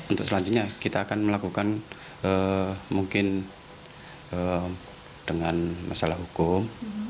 untuk selanjutnya kita akan melakukan mungkin dengan masalah hukum